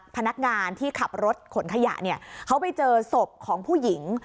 พนักงานที่ขับรถขนขยะเนี่ยเขาไปเจอศพของผู้หญิง